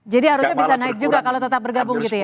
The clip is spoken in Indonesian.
jadi harusnya bisa naik juga kalau tetap bergabung gitu ya